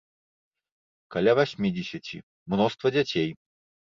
Каля васьмідзесяці, мноства дзяцей.